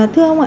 thưa ông ạ